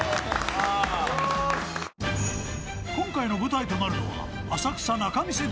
［今回の舞台となるのは］